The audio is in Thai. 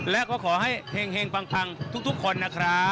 และก็ขอให้เฮงปังทุกคนนะครับ